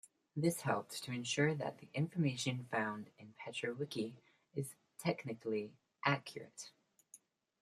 This helps to ensure that the information found in PetroWiki is technically accurate.